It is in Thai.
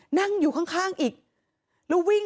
หมาก็เห่าตลอดคืนเลยเหมือนมีผีจริง